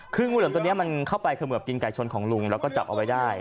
คืองูเหลือมตัวนี้มันเข้าไปเขมือบกินไก่ชนของลุงแล้วก็จับเอาไว้ได้